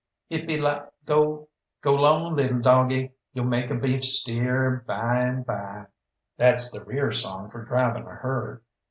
"Ip e la go, go 'long little doggie, You'll make a beef steer, by and by." That's the rear song for driving a herd.